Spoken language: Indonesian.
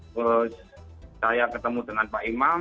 terus saya ketemu dengan pak imam